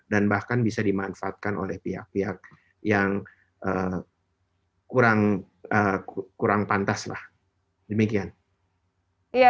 dan bahkan bisa dimanfaatkan oleh pihak pihak yang kurang pantas demikian